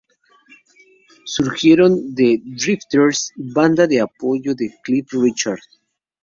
Surgieron como "The Drifters", banda de apoyo de Cliff Richard.